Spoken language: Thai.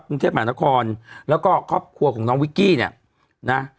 กรุงเทพมหานครแล้วก็ครอบครัวของน้องวิกกี้เนี่ยนะ